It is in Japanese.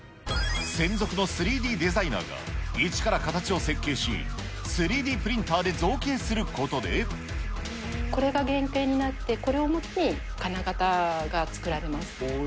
専属の３Ｄデザイナーが一から形を設計し、これが原型になって、これをもとに金型が作られます。